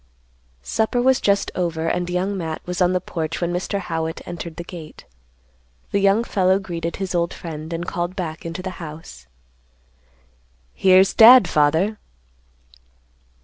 Supper was just over and Young Matt was on the porch when Mr. Howitt entered the gate. The young fellow greeted his old friend, and called back into the house, "Here's Dad, Father."